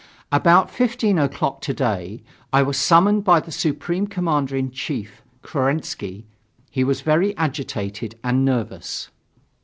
About 15 o'clock today, I was summoned by the Supreme Commander in Chief, Kerensky. He was very agitated and nervous.